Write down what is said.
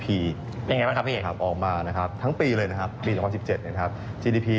เป็นอย่างไรบ้างครับพี่ออกมาทั้งปีเลยปี๒๐๑๗